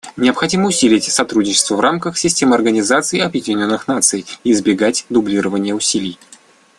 Необходимо усилить сотрудничество в рамках системы Организации Объединенных Наций и избегать дублирования усилий.